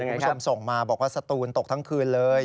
คุณผู้ชมส่งมาบอกว่าสตูนตกทั้งคืนเลย